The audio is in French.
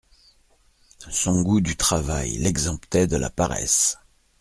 Son goût du travail l'exemptait de la paresse.